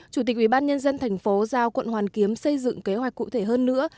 chủ tịch ủy ban nhân dân thành phố giao quận hoàn kiếm xây dựng kế hoạch cụ thể hơn nữa